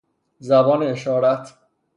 زبان اشارت